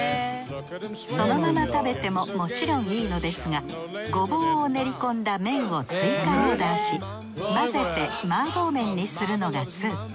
そのまま食べてももちろんいいのですがごぼうを練りこんだ麺を追加オーダーし混ぜて麻婆麺にするのが通。